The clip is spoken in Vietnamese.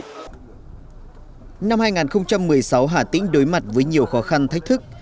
năm hai nghìn một mươi sáu hà tĩnh đối mặt với nhiều khó khăn thách thức